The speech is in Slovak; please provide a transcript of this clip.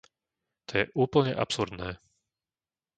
To je úplne absurdné.